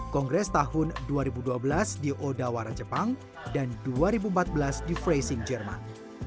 kongres tahun dua ribu dua belas di odawara jepang dan dua ribu empat belas di freshing jerman